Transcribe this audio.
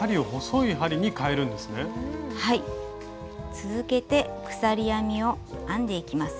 続けて鎖編みを編んでいきます。